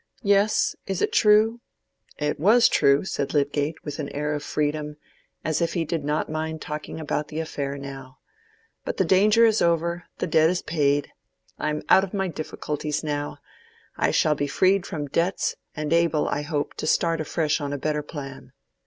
"Yes; is it true?" "It was true," said Lydgate, with an air of freedom, as if he did not mind talking about the affair now. "But the danger is over; the debt is paid. I am out of my difficulties now: I shall be freed from debts, and able, I hope, to start afresh on a better plan."